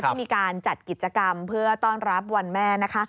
ก็มีการจัดกิจกรรมเพื่อต้อนรับวันแม่นะคะ